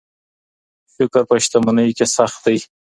شکر په شتمنۍ کې سخت دی.